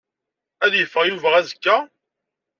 Ad yeffeɣ Yuba azekka?